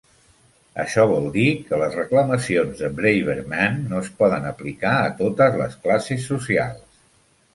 Això vol dir que les reclamacions de Braverman no es poden aplicar a totes les classes socials.